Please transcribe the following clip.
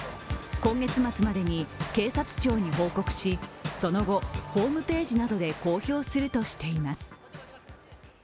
今月末までに警察庁に報告しその後、ホームページなどで公表するとしています。